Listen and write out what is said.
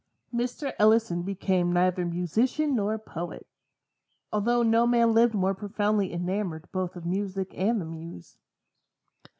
Mr. Ellison became neither musician nor poet; although no man lived more profoundly enamored both of Music and the Muse.